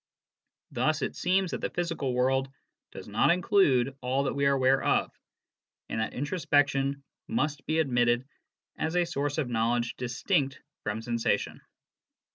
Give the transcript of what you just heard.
Thus it seems that the physical world does not include all that we are aware of, and that introspection must be admitted as a source of knowledge distinct from sensation.